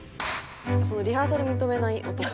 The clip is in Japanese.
リハーサル認めない男。